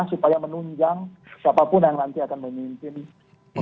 supaya menunjang siapapun yang nanti akan memimpin